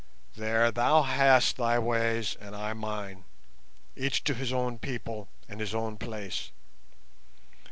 there! thou hast thy ways, and I mine: each to his own people and his own place.